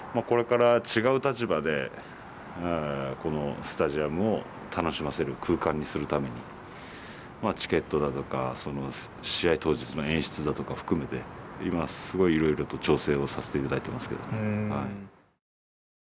これから違う立場でこのスタジアムを楽しませる空間にするためにまあチケットだとか試合当日の演出だとか含めて今すごいいろいろと調整をさせていただいてますけど。